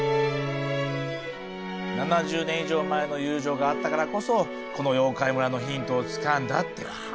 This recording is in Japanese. ７０年以上前の友情があったからこそこの妖怪村のヒントをつかんだってわけだ。